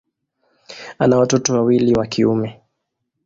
Ana watoto wawili wa kiume.